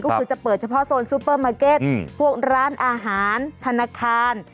ก็คือจะเปิดเฉพาะโซนซูเปอร์มาร์เก็ตพวกร้านอาหารธนาคาร